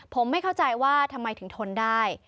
ผมไม่เข้าใจว่าทำไมถึงทนได้